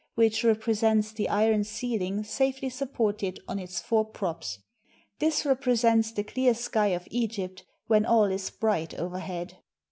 * which represents the iron ceiling safely supported 1 1 1 1 on its four props. This represents the clear sky of Egypt, when all is bright overhead.